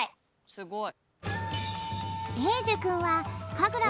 すごい。